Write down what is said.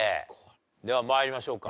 では参りましょうか。